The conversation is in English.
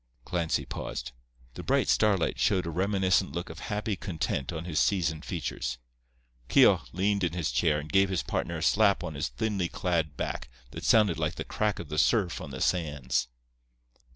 Clancy paused. The bright starlight showed a reminiscent look of happy content on his seasoned features. Keogh leaned in his chair and gave his partner a slap on his thinly clad back that sounded like the crack of the surf on the sands.